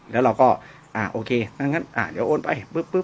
แล้วเราก็โอเคงั้นเดี๋ยวโอนไป